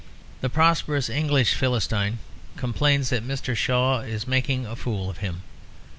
The prosperous English Philistine complains that Mr. Shaw is making a fool of him.